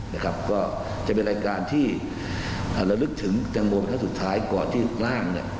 นะครับก็จะเป็นรายการที่อ่าแล้วลึกถึงจังโมเบนเท้าสุดท้ายก่อนที่ลูกร่างเนี่ย